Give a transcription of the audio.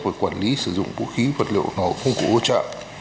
về quản lý sử dụng vũ khí vật liệu nổ công cụ hỗ trợ